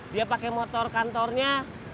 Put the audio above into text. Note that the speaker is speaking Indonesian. dia pake motor kantornya